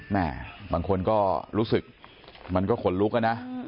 บางคนก็รู้สึกมันก็ขนลุกนะ